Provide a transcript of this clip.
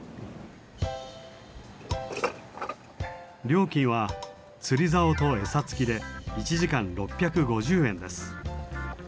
料金は釣り竿と付きで１時間６５０円です。